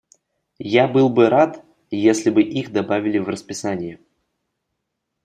Я был бы рад, если бы их добавили в расписание.